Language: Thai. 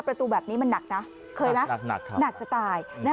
ประตูแบบนี้มันหนักนะเคยไหมหนักจะตาย